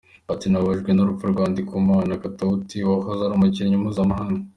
Yagize ati “Nababajwe n’urupfu rwa Ndikumana Katauti wahoze ari umukinnyi mpuzamahanga.